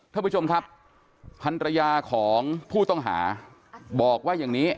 ท่านผู้ชมครับพันรยาของผู้ต้องหาบอกว่าอย่างนี้